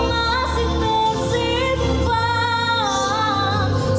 kau mau kehilangan